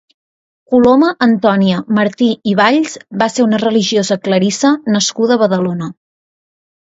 Coloma Antònia Martí i Valls va ser una religiosa clarissa nascuda a Badalona.